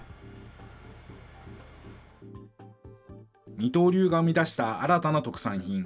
二刀流が生み出した新たな特産品。